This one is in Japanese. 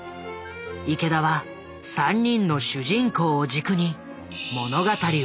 池田は３人の主人公を軸に物語を構想した。